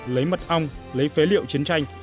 lấy mật ong lấy phế liệu chiến tranh